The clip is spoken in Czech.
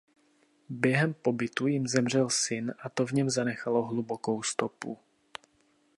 Během pobytu jim zemřel syn a to v něm zanechalo hlubokou stopu.